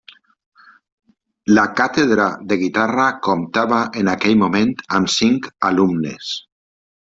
La càtedra de guitarra comptava en aquell moment amb cinc alumnes.